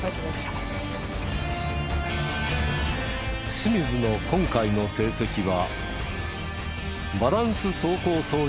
清水の今回の成績は。